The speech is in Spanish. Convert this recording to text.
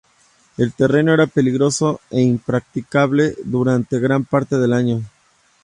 El terreno era peligroso e impracticable durante gran parte del año.